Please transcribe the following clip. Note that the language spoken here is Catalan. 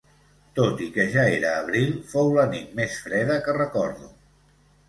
Tot i que ja era abril, fou la nit més freda que recordo